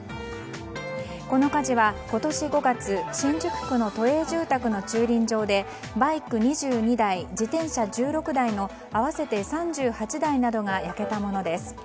この火事は今年５月新宿区の都営住宅の駐輪場でバイク２２台、自転車１６台の合わせて３８台などが焼けたものです。